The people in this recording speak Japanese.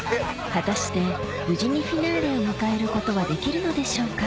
果たして無事にフィナーレを迎えることはできるのでしょうか？